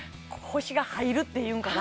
腰が入るっていうんかな